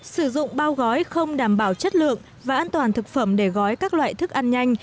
sử dụng bao gói không đảm bảo chất lượng và an toàn thực phẩm để gói các loại thức ăn nhanh